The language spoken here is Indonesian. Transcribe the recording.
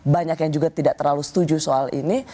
banyak yang juga tidak terlalu setuju soal ini